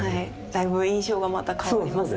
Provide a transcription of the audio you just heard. だいぶ印象がまた変わりますね。